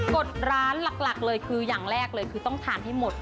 กดร้านหลักเลยคืออย่างแรกเลยคือต้องทานให้หมด